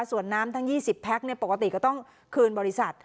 ส่วนน้ำทั้ง๒๐แพ็คปกติก็ต้องคืนบริษัท